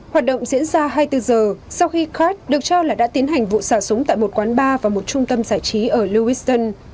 hoạt động diễn ra hai mươi bốn giờ sau khi card được cho là đã tiến hành vụ xả súng tại một quán bar và một trung tâm giải trí ở lewiston